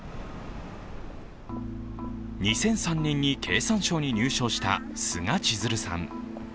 ２００３年に経産省に入省した須賀千鶴さん。